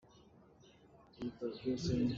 Ka khahmul meh ka duh.